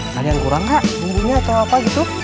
kalian kurang kak bumbunya atau apa gitu